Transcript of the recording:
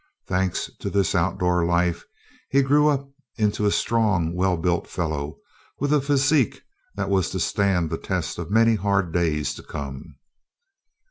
Thanks to this outdoor life he grew up into a strong, well built fellow, with a physique that was to stand the test of many hard days to come.